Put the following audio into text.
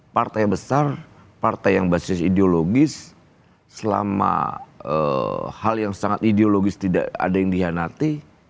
partai besar partai yang basis ideologis selama hal yang sangat ideologis tidak ada yang dihianati